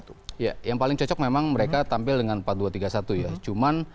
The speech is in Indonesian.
ya yang paling cocok memang mereka tampil dengan empat dua tiga satu ya